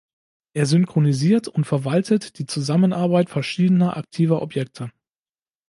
Er synchronisiert und verwaltet die Zusammenarbeit verschiedener aktiver Objekte.